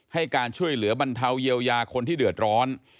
ให้การช่วยเหลือบรรเทาเยียวยาคนที่เดือดร้อน